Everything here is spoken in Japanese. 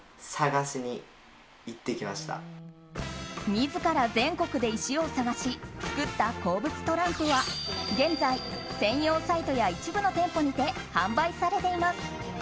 自ら全国で石を探し作った鉱物トランプは現在、専用サイトや一部の店舗にて販売されています。